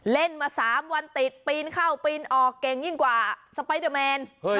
เล่นมา๓วันติดปีนเข้าปีนออกเก่งยิ่งกว่าสไปเดอร์แมน